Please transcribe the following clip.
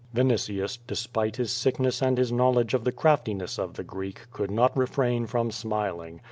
"* Vinitius, despite his sickness and his knowledge of the craftiness of the Greek, could not refrain from smiling.